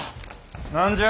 何じゃ。